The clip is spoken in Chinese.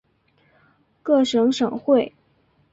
各省省会。